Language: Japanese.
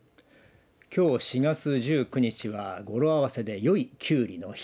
きょう４月１９日は語呂合わせで良いきゅうりの日。